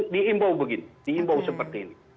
diimbau begini diimbau seperti ini